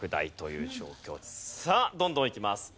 さあどんどんいきます。